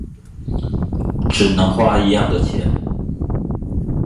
只能花一樣的錢